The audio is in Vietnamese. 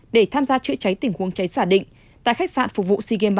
để tham gia chữa cháy tình huống cháy giả định tại khách sạn phục vụ seagame ba mươi một